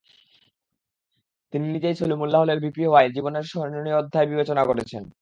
তিনি নিজেই সলিমুল্লাহ হলের ভিপি হওয়াকে জীবনের স্মরণীয় অধ্যায় বিবেচনা করেছেন।